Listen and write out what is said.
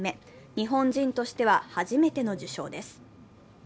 日本人としては初めての受賞です。